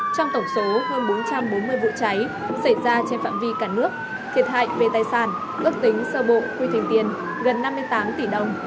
trong tổng số hơn bốn trăm bốn mươi vụ cháy xảy ra trên phạm vi cả nước thiệt hại về tài sản ước tính sơ bộ quy trình tiền gần năm mươi tám tỷ đồng